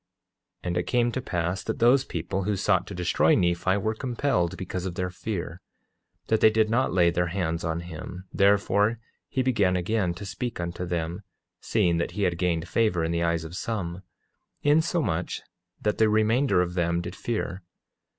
8:10 And it came to pass that those people who sought to destroy Nephi were compelled because of their fear, that they did not lay their hands on him; therefore he began again to speak unto them, seeing that he had gained favor in the eyes of some, insomuch that the remainder of them did fear.